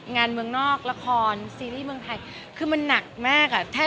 งานเมืองนอกละครซีรีส์เมืองไทยคือมันหนักมากอ่ะ